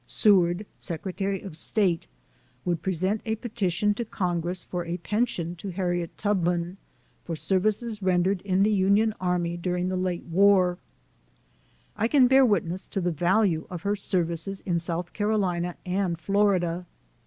Seward, Secretary of State, would present a petition to Congress for a pension to Harriet Tubman, for services rendered in the Union Armv durin<> the / O late war. I can bear witness to the value of her services in South Carolina and Florida.